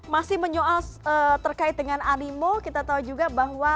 masih menyoal terkait dengan animo kita tahu juga bahwa